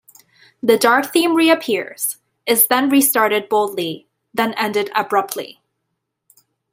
The dark theme re-appears, is then restarted boldly, then ended abruptly.